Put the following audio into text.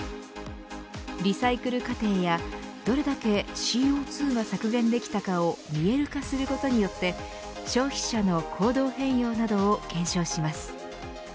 リサイクル過程やどれだけＣＯ２が削減できたかを見える化することによって消費者の行動変容などを検証します。